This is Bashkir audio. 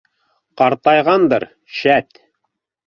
Ҡартайғандыр, шәт?